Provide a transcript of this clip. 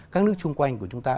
các nước chung quanh của chúng ta